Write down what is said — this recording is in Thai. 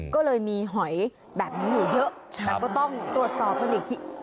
ก็เลยมีหอยแบบนี้อยู่เยอะแต่ก็ต้องตรวจสอบกันอีกที